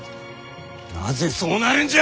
なぜそうなるんじゃ！